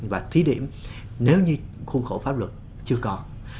và thí điểm nếu như khung khổ pháp luật chưa có